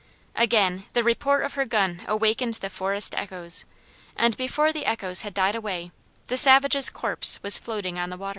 Again the report of her gun awakened the forest echoes, and before the echoes had died away, the savage's corpse was floating on the water.